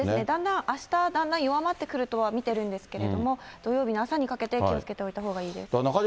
だんだんあした、だんだん弱まってくるとは思いますが、土曜日の朝にかけて、気をつけておいたほうがいいですよね。